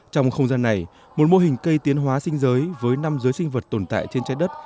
trong không gian này một mô hình cây tiến hóa xanh giới với năm giới sinh vật tồn tại trên trái đất